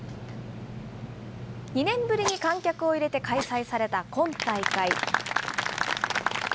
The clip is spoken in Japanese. ２年ぶりに観客を入れて開催された今大会。